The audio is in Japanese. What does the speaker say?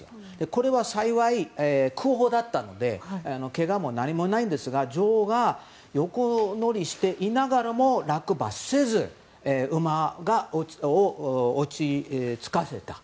これは幸い、空砲だったのでけがも何もないんですが女王は、横乗りしていながらも落馬せず、馬を落ち着かせた。